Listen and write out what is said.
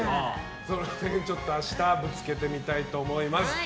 その辺明日ぶつけてみたいと思います。